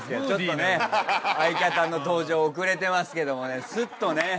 ちょっとね相方の登場遅れてますけどもねスッとね。